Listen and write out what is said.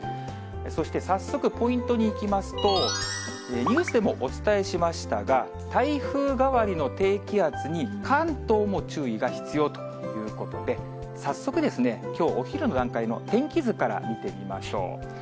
そして早速ポイントにいきますと、ニュースでもお伝えしましたが、台風変わりの低気圧に関東も注意が必要ということで、早速ですね、きょうお昼の段階の天気図から見てみましょう。